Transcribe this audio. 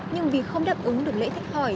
nhưng vì không đáp ứng được lễ thách hỏi